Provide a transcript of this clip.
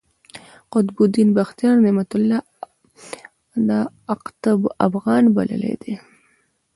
قطب الدین بختیار، نعمت الله اقطب افغان بللی دﺉ.